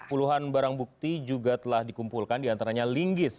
puluhan barang bukti juga telah dikumpulkan di antaranya linggis